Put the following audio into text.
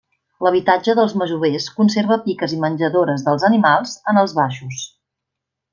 L'habitatge dels masovers conserva piques i menjadores dels animals en els baixos.